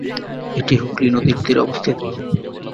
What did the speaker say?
এটি হুগলি নদীর তীরে অবস্থিত।